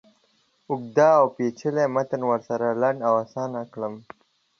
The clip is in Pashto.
اوږد اوپیچلی متن ورسره لنډ او آسانه کړم.